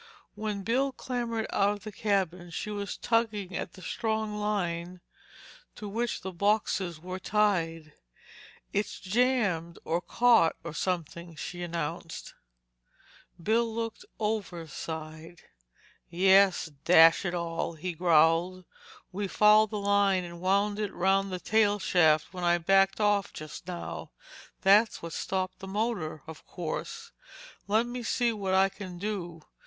When Bill clambered out of the cabin she was tugging at the strong line to which the boxes were tied. "It's jammed, or caught, or something," she announced. Bill looked overside. "Yes, dash it all!" he growled. "We fouled the line and wound it round the tail shaft when I backed off just now. That's what stopped the motor, of course. Let me see what I can do.